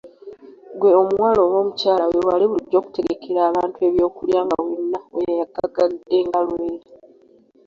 Ggwe omuwala oba omukyala, weewale bulijjo okutegekera abantu eby’okulya nga wenna oyagaagadde nga Lwera.